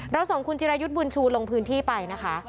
ส่งคุณจิรายุทธ์บุญชูลงพื้นที่ไปนะคะ